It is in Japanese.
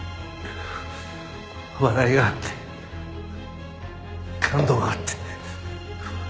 笑いがあって感動があって。